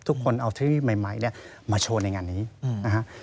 ทุกคนเอาเทอรี่ใหม่เนี่ยมาโชว์ในงานนี้นะฮะ